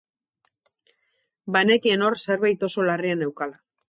Banekien hor zerbait oso larria neukala.